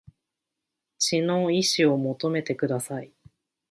血の遺志を求めてください